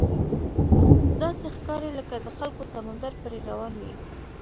داسې ښکاري لکه د خلکو سمندر پرې روان وي.